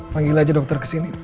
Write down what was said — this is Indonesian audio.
panggil aja dokter kesini